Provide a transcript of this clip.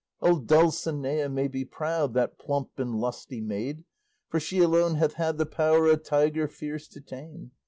O Dulcinea may be proud, That plump and lusty maid; For she alone hath had the power A tiger fierce to tame.